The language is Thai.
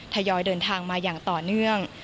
ทยอยเดินทางมาอย่างต่อเนื่อง